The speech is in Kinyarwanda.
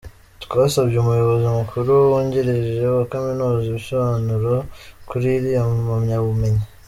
Twasabye Umuyobozi Mukuru wungirije wa Kaminuza ibisobanuro kuri iriya mpamyabumenyi.